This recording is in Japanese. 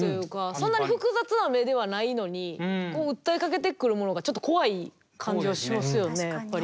そんなに複雑な目ではないのにこう訴えかけてくるものがちょっと怖い感じはしますよねやっぱり。